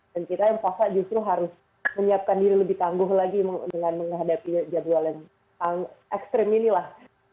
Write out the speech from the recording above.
dan kita yang puasa justru harus menyiapkan diri lebih tangguh lagi dengan menghadapi jadwal yang ekstrem ini lah